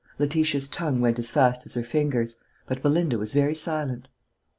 Letitia's tongue went as fast as her fingers; but Belinda was very silent.